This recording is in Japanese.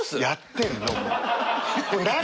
やってんのもう。